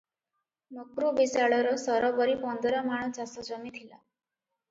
ମକ୍ରୁ ବିଶାଳର ସରବରି ପନ୍ଦର ମାଣ ଚାଷଜମି ଥିଲା ।